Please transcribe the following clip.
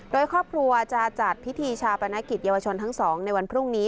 โดยครอบครัวจะจัดพิธีชาปนกิจเยาวชนทั้งสองในวันพรุ่งนี้